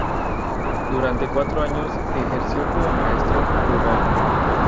Durante cuatro años ejerció como maestro rural.